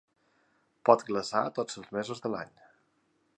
Pot glaçar tots els mesos de l’any.